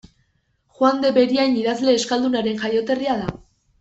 Juan de Beriain idazle euskaldunaren jaioterria da.